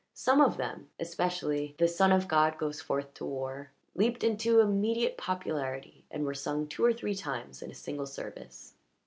Some of them, especially "The Son of God goes forth to war," leaped into immediate popularity and were sung two or three times in a single service.